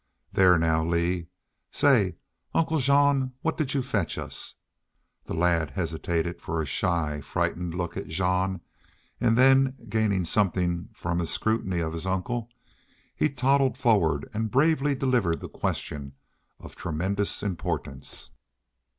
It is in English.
"There now, Lee. Say, 'Uncle Jean, what did you fetch us?' The lad hesitated for a shy, frightened look at Jean, and then, gaining something from his scrutiny of his uncle, he toddled forward and bravely delivered the question of tremendous importance.